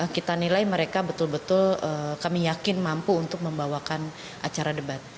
kita nilai mereka betul betul kami yakin mampu untuk membawakan acara debat